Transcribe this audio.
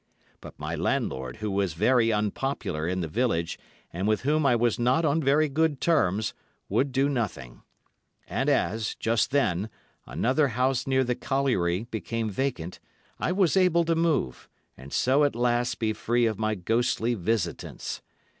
But my landlord, who was very unpopular in the village, and with whom I was not on very good terms, would do nothing; and as, just then, another house near the colliery became vacant, I was able to move, and so at last be free of my ghostly visitants.